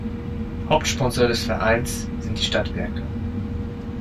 Hauptsponsor des Vereins sind die Stadtwerke.